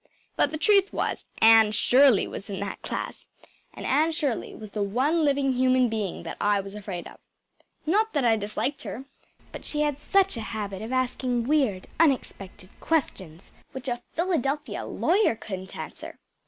But the truth was, Anne Shirley was in that class; and Anne Shirley was the one living human being that I was afraid of. Not that I disliked her. But she had such a habit of asking weird, unexpected questions, which a Philadelphia lawyer couldn’t answer.